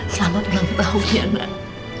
selamat enam tahun ya nak